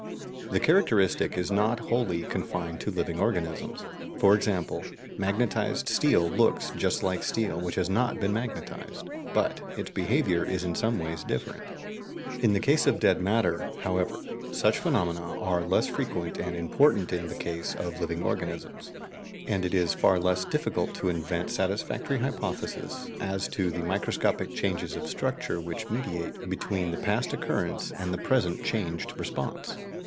The characteristic is not wholly confined to living organisms. For example, magnetized steel looks just like steel which has not been magnetized, but its behaviour is in some ways different. In the case of dead matter, however, such phenomena are less frequent and important than in the case of living organisms, and it is far less difficult to invent satisfactory hypotheses as to the microscopic changes of structure which mediate between the past occurrence and the present changed response.